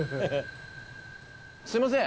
すみません。